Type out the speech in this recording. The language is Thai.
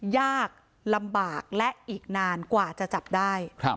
ยากลำบากและอีกนานกว่าจะจับได้